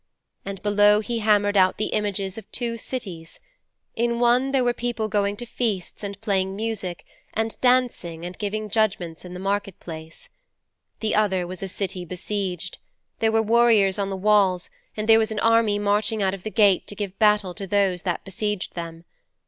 And below he hammered out the images of two cities: in one there were people going to feasts and playing music and dancing and giving judgements in the market place: the other was a city besieged: there were warriors on the walls and there was an army marching out of the gate to give battle to those that besieged them.